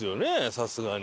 さすがに。